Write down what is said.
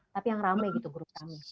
tapi yang rame gitu guru kami